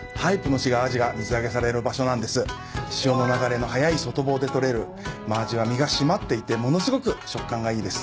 潮の流れの速い外房で捕れるマアジは身が締まっていてものすごく食感がいいです。